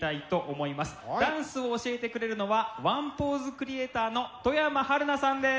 ダンスを教えてくれるのはワンポーズクリエイターの外山晴菜さんです。